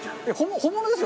本物ですよ。